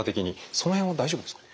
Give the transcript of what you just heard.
その辺は大丈夫ですか？